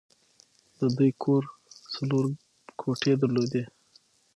د دوی کور څلور کوټې درلودې